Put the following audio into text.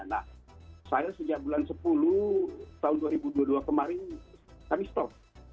nah saya sejak bulan sepuluh tahun dua ribu dua puluh dua kemarin kami stop